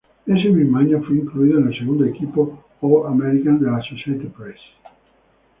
Ese mismo año fue incluido en el segundo equipo All-American de la Associated Press.